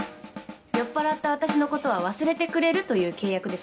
酔っ払った私の事は忘れてくれるという契約ですか？